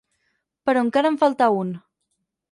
Però encara en falta un.